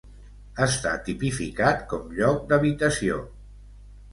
Està tipificat com lloc d'habitació.